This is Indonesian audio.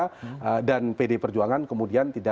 kalau misalnya relasi pak jokowi dan pak jokowi berdua